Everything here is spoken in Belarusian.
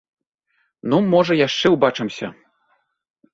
Ну, можа, яшчэ ўбачымся.